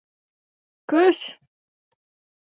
Көш!